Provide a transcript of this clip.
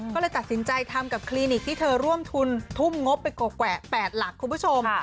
ก็เลยตัดสินใจทำกับคลินิกที่เธอร่วมทุนทุ่มงบไปกว่า๘หลักคุณผู้ชม